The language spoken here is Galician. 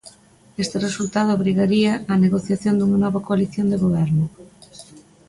Este resultado obrigaría á negociación dunha nova coalición de Goberno.